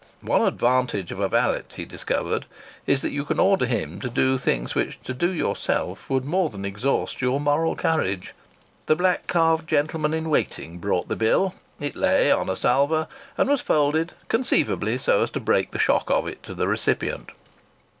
One advantage of a valet, he discovered, is that you can order him to do things which to do yourself would more than exhaust your moral courage. The black calved gentleman in waiting brought the bill. It lay on a salver and was folded, conceivably so as to break the shock of it to the recipient.